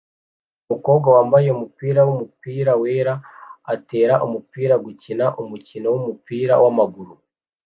Umukobwa wambaye umupira wumupira wera atera umupira gukina umukino wumupira wamaguru